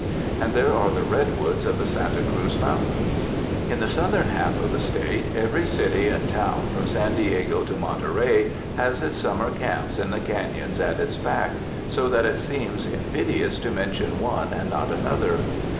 And there are the redwoods of the Santa Cruz Moun tains. In the southern half of the State, every city and town from San Diego to Monterey has its summer camps in the caiions at its back, so that it seems in vidious to mention one and not another.